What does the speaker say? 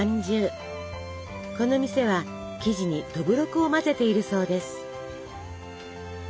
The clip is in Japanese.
この店は生地にどぶろくを混ぜているそうです。